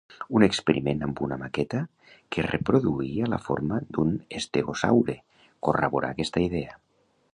Un experiment amb una maqueta que reproduïa la forma d'un estegosaure corroborà aquesta idea.